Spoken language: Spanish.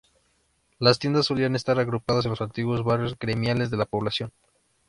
Las tiendas solían estar agrupadas en los antiguos barrios gremiales de la población.